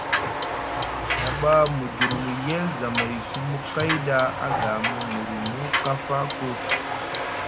Na ɓa mu durumu yel zamay sumu kay ɗa aga mu murumu kafa koo.